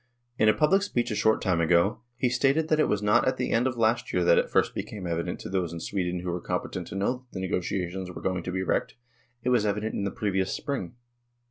In a public speech a short time ago, he stated that it was not at the end of last year that it first became evi dent to those in Sweden who were competent to know that the negotiations " were going to be wrecked "; it was evident in the previous spring.